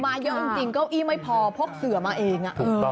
เยอะจริงเก้าอี้ไม่พอพกเสือมาเอง